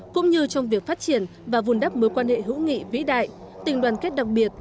cũng như trong việc phát triển và vùn đắp mối quan hệ hữu nghị vĩ đại tình đoàn kết đặc biệt